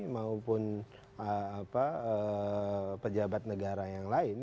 maupun pejabat negara yang lain